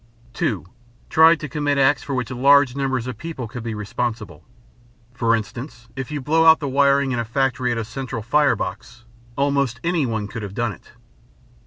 (2) Try to commit acts for which large numbers of people could be responsible. For instance, if you blow out the wiring in a factory at a central fire box, almost anyone could have done it.